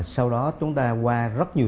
sau đó chúng ta qua rất nhiều